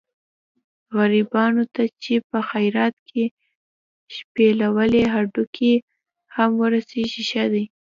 غریبانو ته چې په خیرات کې شپېلولي هډوکي هم ورسېږي ښه دي.